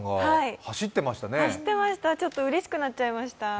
走ってました、うれしくなっちゃいました。